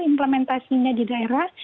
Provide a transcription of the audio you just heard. implementasinya di daerah